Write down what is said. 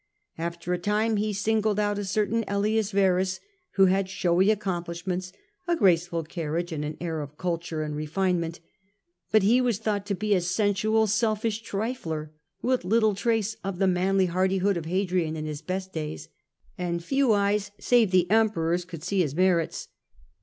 After a time he singled out a certain CElius Verus, who had showy accomplishments, a graceful carriage, and an air of culture and refinement. But he was thought to be a sensual, selfish trifler, with little trace of the manly hardihood of Hadrian in his be<t days; and few eyes, save the Emperor's, could see his merits.